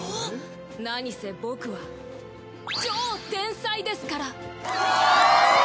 なにせ僕は超天才ですから！